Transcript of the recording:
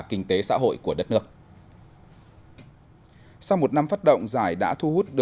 kinh tế xã hội của đất nước sau một năm phát động giải đã thu hút được